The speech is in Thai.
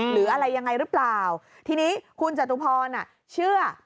หรืออะไรยังไงหรือเปล่าทีนี้คุณจตุพรเชื่อ